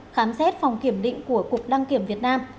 khám xét phòng kiểm định của cục đăng kiểm việt nam